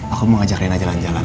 aku mau ajak rena jalan jalan